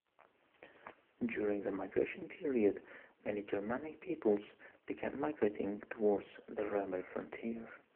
During the Migration Period, many Germanic peoples began migrating towards the Roman frontier.